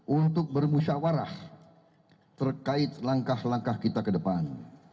untuk bermusyawarah terkait langkah langkah kita ke depan